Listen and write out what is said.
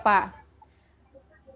faktanya memang gitu